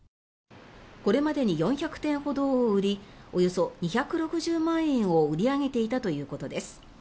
これまでに４００点ほどを売りおよそ２６０万円を売り上げていたということです。